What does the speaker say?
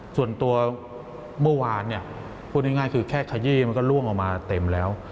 ส่วนตัวเมื่อวานพูดง่ายคือแค่ขยี้มันก็ล่วงออกมาเต็มแล้ว